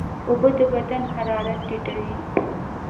اوبه د بدن حرارت ټیټوي.